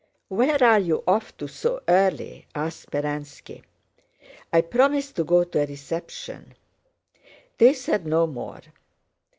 "Where are you off to so early?" asked Speránski. "I promised to go to a reception." They said no more.